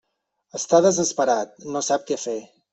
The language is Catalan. Està desesperat, no sap què fer.